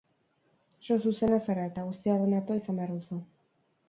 Oso zuzena zara, eta guztia ordenatuta izan behar duzu.